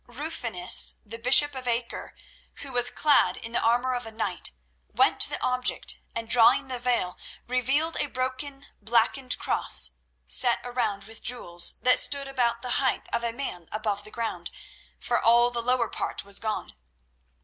Rufinus, the bishop of Acre, who was clad in the armour of a knight, went to the object, and drawing the veil, revealed a broken, blackened cross, set around with jewels, that stood about the height of a man above the ground, for all the lower part was gone.